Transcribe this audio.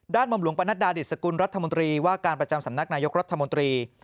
หม่อมหลวงปนัดดาดิสกุลรัฐมนตรีว่าการประจำสำนักนายกรัฐมนตรี